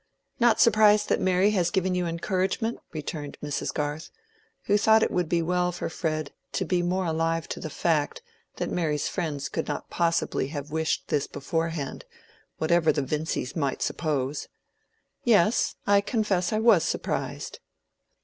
"Not surprised that Mary has given you encouragement?" returned Mrs. Garth, who thought it would be well for Fred to be more alive to the fact that Mary's friends could not possibly have wished this beforehand, whatever the Vincys might suppose. "Yes, I confess I was surprised."